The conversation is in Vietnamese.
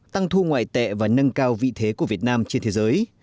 tăng thu ngoại tệ và nâng cao vị thế của việt nam trên thế giới